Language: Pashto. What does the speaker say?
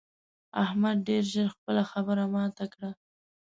احمد ډېر ژر خپله خبره ماته کړه.